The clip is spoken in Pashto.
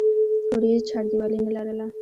کور یې چاردیوالي نه لرله.